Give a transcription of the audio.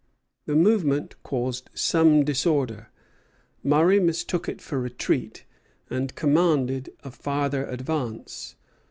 The movement caused some disorder. Murray mistook it for retreat, and commanded a farther advance.